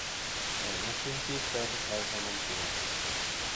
Äänestin siis päätöslauselman puolesta.